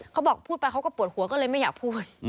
เขาบอกพูดไปเขาก็ปวดหัวก็เลยไม่อยากพูด